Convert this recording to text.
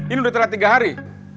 ini udah telah tiga hari